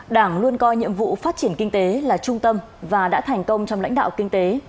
đảng luôn coi nhiệm vụ phát triển kinh tế là trung tâm và đã thành công trong lãnh đạo kinh tế